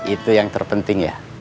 itu yang terpenting ya